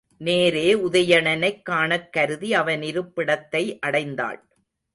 நேரே உதயணனைக் காணக்கருதி அவனிருப்பிடத்தை அடைந்தாள்.